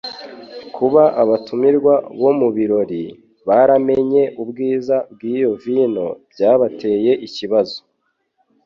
Kuba abatumirwa bo mu birori baramenye ubwiza bw'iyo vino byabateye ikibazo